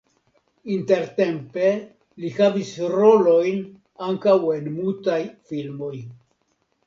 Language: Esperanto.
Intertempe li havis rolojn ankaŭ en mutaj filmoj.